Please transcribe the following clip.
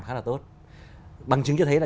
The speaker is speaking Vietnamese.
khá là tốt bằng chứng cho thấy là